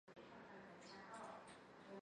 圣德尼多图。